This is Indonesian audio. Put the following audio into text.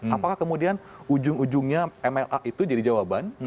apakah kemudian ujung ujungnya mla itu jadi jawaban